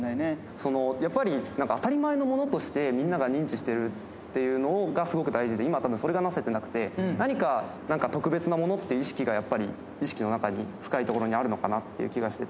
そのやっぱり、当たり前なものとかでみんなが認知してるっていうのがすごく大事で、今たぶん、それがなせてなくて、何かなんか特別なものっていう意識がやっぱり意識の中に、深いところにあるのかなって気がしてて。